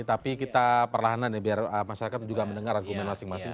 tapi kita perlahan ya biar masyarakat juga mendengar argumen masing masing